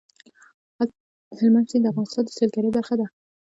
هلمند سیند د افغانستان د سیلګرۍ برخه ده.